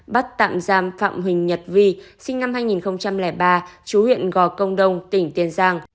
bắt tạm giam phạm huỳnh nhật vi sinh năm hai nghìn ba chú huyện gò công đông tỉnh tiền giang